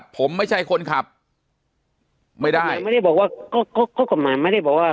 ผมไม่ใช่คนขับไม่ได้ผมไม่ได้บอกว่าก็ข้อกฎหมายไม่ได้บอกว่า